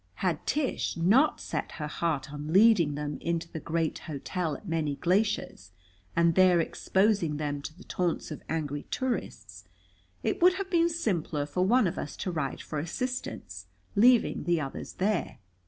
Had Tish not set her heart on leading them into the great hotel at Many Glaciers, and there exposing them to the taunts of angry tourists, it would have been simpler for one of us to ride for assistance, leaving the others there.